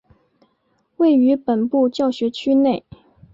位于本部教学区内。